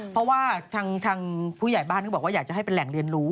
เพราะว่าทางผู้ใหญ่บ้านก็บอกว่าอยากจะให้เป็นแหล่งเรียนรู้